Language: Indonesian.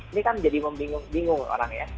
ini kan jadi membingung bingung orang ya